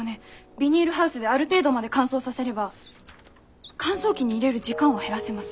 ビニールハウスである程度まで乾燥させれば乾燥機に入れる時間は減らせます。